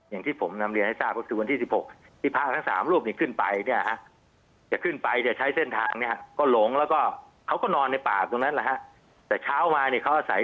อย่างที่ผมนำเรียนให้ทราบคือวันที่๑๖